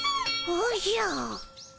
おじゃ。